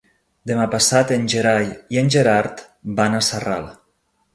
Demà passat en Gerai i en Gerard van a Sarral.